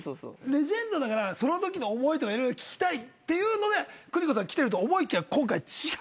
レジェンドだからそのときの思いとか色々聞きたいと邦子さん来てると思いきや今回違うんですよ。